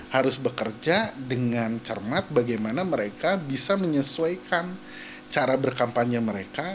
harus bekerja dengan cermat bagaimana mereka bisa menyesuaikan cara berkampanye mereka